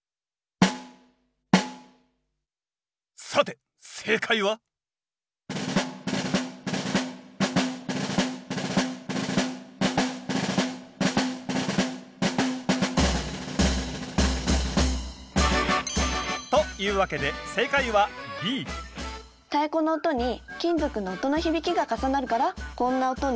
さて正解は？というわけで太鼓の音に金属の音の響きが重なるからこんな音になるんですよ。